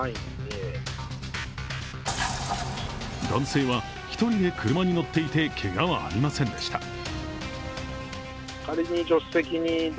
男性は１人で車に乗っていて、けがはありませんでした。